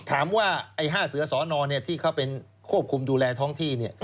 ถามว่าไอ้๕เสือสอนอที่เขาเป็นควบคุมดูแลท้องที่